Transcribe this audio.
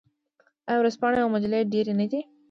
آیا ورځپاڼې او مجلې ډیرې نه دي؟